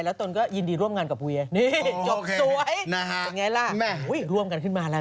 กันก็ยินดีร่วมงานกับเวนี่จบซวยยังไงล่ะว่าอีกร่วมกันขึ้นมาอะไร